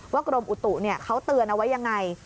กรมอุตุเขาเตือนเอาไว้ยังไง